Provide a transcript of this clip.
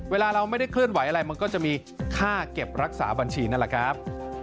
เวลาเราไม่ได้เคลื่อนไหวอะไรมันก็จะมีค่าเก็บรักษาบัญชีนั่นแหละครับ